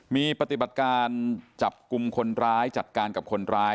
มีปฏิบัติการจับกลุ่มคนร้ายจัดการกับคนร้าย